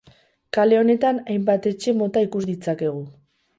Kale honetan hainbat etxe mota ikus ditzakegu.